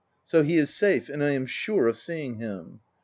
So he is safe, and 1 am sure of seeing him.